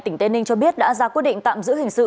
tỉnh tây ninh cho biết đã ra quyết định tạm giữ hình sự